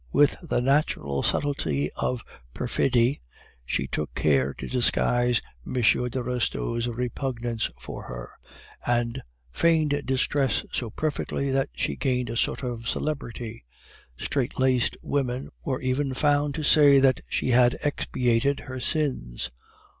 With the natural subtlety of perfidy, she took care to disguise M. de Restaud's repugnance for her, and feigned distress so perfectly that she gained a sort of celebrity. Strait laced women were even found to say that she had expiated her sins.